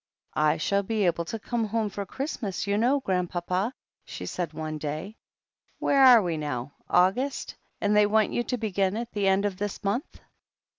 "I shall be able to come home for Christmas, you know, Grandpapa," she said one day. ^"Where are we now — August ? And they want you to begin at the end of this month?"